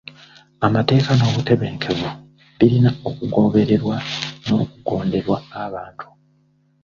Amateeka n'obutebenkevu birina okugobererwa n'okugonderwa abantu.